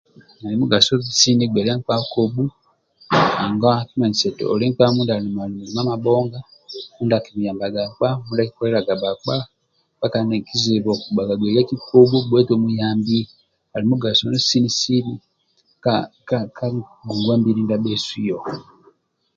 Ali mugaso sini gbelia nkpa kobhu nanga akimanyisa eti oli na mulima mabhonga mindia akimuyambaga nkpa mindia akikoliliaga nkpa paka zibe eti omuyambia ali mugaso sini sini ka ngongwa mbili ndiasu bhesu yoho